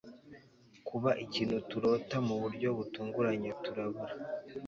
Kuba ikintu turota Mu buryo butunguranye turabura